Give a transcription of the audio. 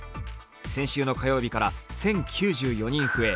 先週の火曜日から１０９４人増え、